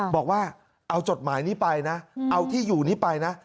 บอกว่าเอาจดหมายนี้ไปนะเอาที่อยู่นี้ไปนะ